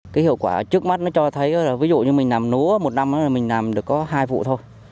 cái hiệu quả trước mắt nó cho thấy là ví dụ như mình làm lúa một năm là mình làm được có hai vụ thôi